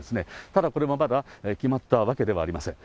ただ、これもまだ決まったわけではありません。